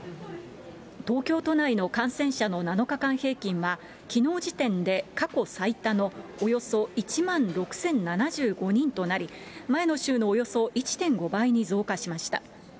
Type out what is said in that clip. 東京都内の感染者の７日間平均は、きのう時点で過去最多のおよそ１万６０７５人となり、前の週のおよそ１．５倍に増加しました。